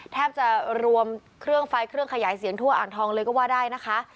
แทบจะรวมเครื่องไฟเครื่องขยายเสียงทั่วอ่างทองเลยก็ว่าได้นะคะ